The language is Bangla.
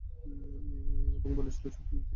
এবং বলেছিল যত্ন নিতে।